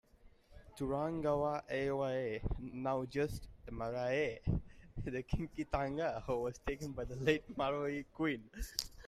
Turangawaewae Now just a Marae the Kingitanga was taken by the late Maori queen.